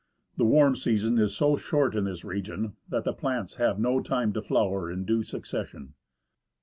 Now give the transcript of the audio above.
The warm season is so short in this region that the plants have no time to flower in due succession.